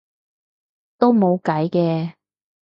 都冇計嘅